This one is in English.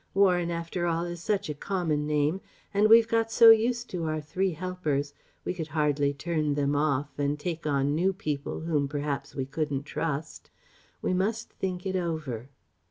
Warren, after all, is such a common name. And we've got so used to our three helpers, we could hardly turn them off, and take on new people whom perhaps we couldn't trust.... We must think it over....